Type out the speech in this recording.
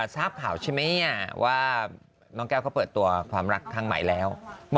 ทราบข่าวใช่ไหมว่าน้องแก้วเขาเปิดตัวความรักครั้งใหม่แล้ว